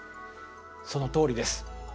そのとおりです。